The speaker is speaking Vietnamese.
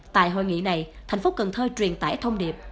tại hội nghị này thành phố cần thơ truyền tải thông điệp